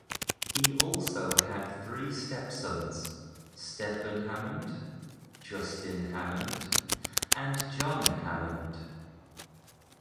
He also had three step sons, Stephen Hammond, Justin Hammond, and John Hammond.